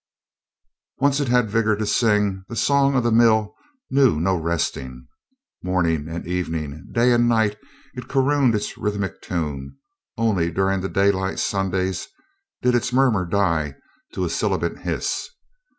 Once it had vigor to sing, the song of the mill knew no resting; morning and evening, day and night it crooned its rhythmic tune; only during the daylight Sundays did its murmur die to a sibilant hiss.